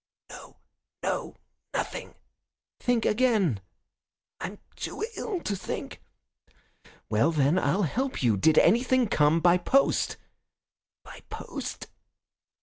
"No, no; nothing." "Think again." "I'm too ill to think." "Well, then, I'll help you. Did anything come by post?" "By post?"